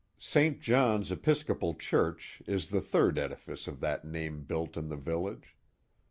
St. John's Episcopal Church is the third edifice of that name built in the village.